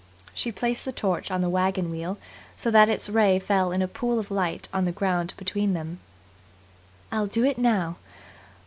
She placed the torch on the wagon wheel so that its ray fell in a pool of light on the ground between them. "I'll do it now.